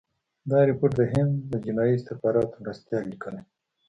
دا رپوټ د هند د جنايي استخباراتو مرستیال لیکلی.